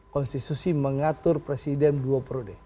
konstitusi mengatur presiden duo prode